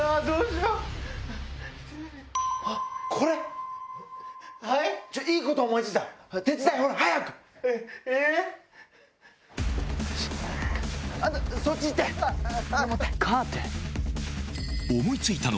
ちょっと、いいこと思いついた。